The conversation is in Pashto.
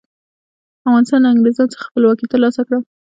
افغانستان له انګریزانو څخه خپلواکي تر لاسه کړه.